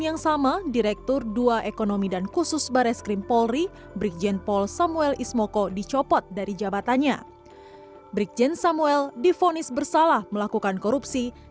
yang pernah terjerat kasus hukum